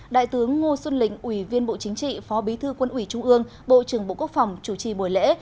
đại tướng ngô xuân lịch ủy viên bộ chính trị phó bí thư quân ủy trung ương bộ trưởng bộ quốc phòng chủ trì buổi lễ